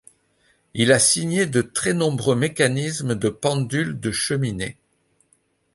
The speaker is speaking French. Il a signé de très nombreux mécanismes de pendule de cheminée.